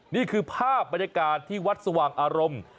นี่คือภาพบรรยากาศที่วัดสว่างอารมณ์